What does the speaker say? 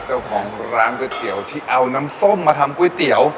เจ้าของร้านก๋วยเตี๋ยวที่เอาน้ำส้มมาทำก๋วยเตี๋ยว